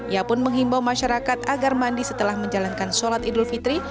ia pun menghimbau masyarakat agar mandi setelah menjalankan sholat idul fitri